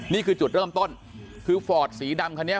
นี่คือจุดเริ่มต้นคือฟอร์ดสีดำคันนี้